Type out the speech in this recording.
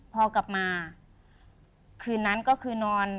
พอกลับมาคืนนั้นก็คือนอน